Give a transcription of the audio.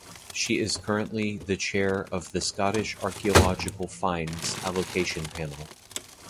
She is currently the Chair of the Scottish Archaeological Finds Allocation Panel.